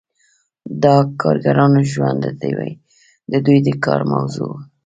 د کارګرانو ژوند د دوی د کار موضوع وه.